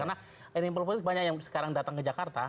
karena animal politik banyak yang sekarang datang ke jakarta